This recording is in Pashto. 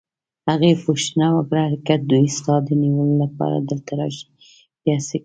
هغې پوښتنه وکړه: که دوی ستا د نیولو لپاره دلته راشي، بیا څه کوې؟